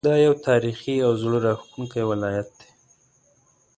دا یو تاریخي او زړه راښکونکی ولایت دی.